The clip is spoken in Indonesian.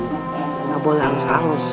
gak boleh hangus hangus